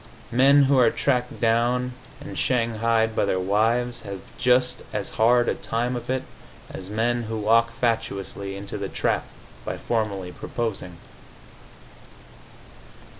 Men who are tracked down and shanghaied by their wives have just as hard a time of it as men who walk fatuously into the trap by formally proposing.